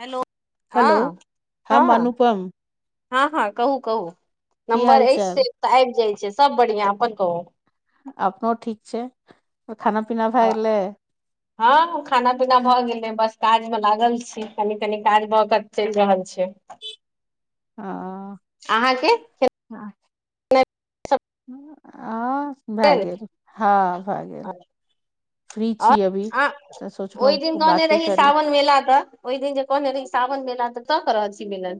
Hello hello हाँ हम हाँ अनुपम हाँ हाँ कहू कहू की नम्बर हाल अइछ से चाल तऽ आइब जाइ छै सब बढ़ियाँ अप्पन कहू अपनो ठीक छै तऽ खाना पीना भए गेलै हाँ खाना पीना भऽ गेलै बस काज मे लागल छी कनी कनी काज भऽ क चलि रहल छय हाँ अहाँके हाँ सब आं भए भेल? गेल हाँ भए गेल फ्री छी अभी अ-आँ तऽ ओय दिन सोचलहुँ कहने बाते रहिये करी सावन मेला त ओय दिन जे कहने रही सावन मेला तऽ तक रहल छी मेला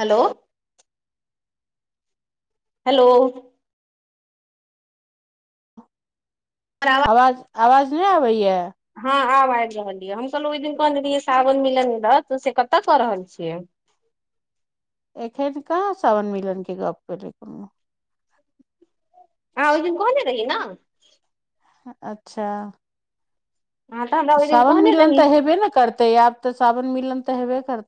हेलो हेलोअ आवाज आवाज नय आबैया हाँ आब आयब रहल या हम कहलौं ओय दिन कहने रहियै सावन मेला से कतय कऽ रहल छियै एखैन कहाॅं सावन मिलन के गप्प केलियै कोनो अहाॅं ओय दिन कहने रहिये न हँ अच्छा हँ तऽ हमरा ओहि दिन सावन कहने मिलन रही तऽ हेबे न करतै आब तऽ सावन मिलन तऽ हेबे करतै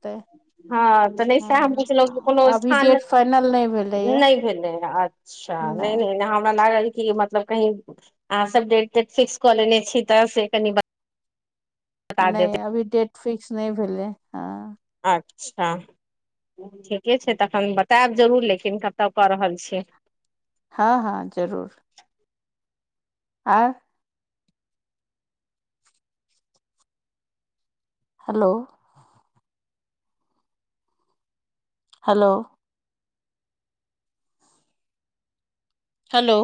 हाँ तऽ नै सएह हम पुछलहुँ हँ कोनो अभी डेट स्थानमे फाइनल नहि भेलैया नय भेलै हन अच्छा नै नहि नै हमरा लागल की एमहर मतलब कहीं अहाँ सब डेट तेट फिक्स कऽ लेने छी तऽ से कनि ब- नै अभी डेट फिक्स नहि भेले हँ अच्छा ठीके छै तखन बतायब जरूर लेकिन कतय कऽ रहल छियै हाँ हाँ जरूर आओर हेलो हेलो हेलो।